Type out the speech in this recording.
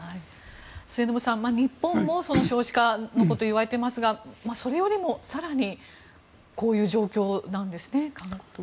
末延さん、日本も少子化のこと言われていますがそれよりも更にこういう状況なんですね。